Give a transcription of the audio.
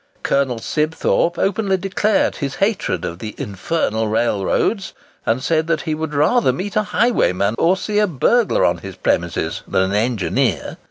Colonel Sibthorpe openly declared his hatred of the "infernal railroads," and said that he "would rather meet a highwayman, or see a burglar on his premises, than an engineer!"